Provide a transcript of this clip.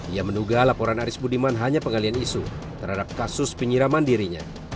ia menduga laporan aris budiman hanya pengalian isu terhadap kasus penyiraman dirinya